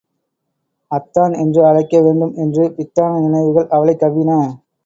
அத்தான் என்று அழைக்க வேண்டும் என்று பித்தான நினைவுகள் அவளைக் கவ்வின.